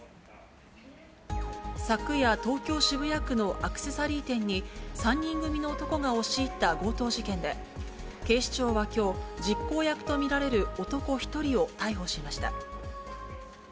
昨夜、東京・渋谷区のアクセサリー店に、３人組の男が押し入った強盗事件で、警視庁はきょう、実行役と見られる男１人を逮捕しました。